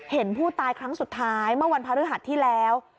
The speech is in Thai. เห็นผู้ตายครั้งสุดท้ายเมื่อวันพระฤหัสที่แล้ว